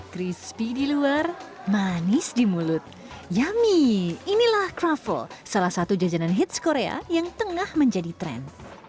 crispy di luar manis di mulut yummy inilah kroffel salah satu jajanan hits korea yang tengah menjadi tren